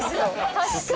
確かに。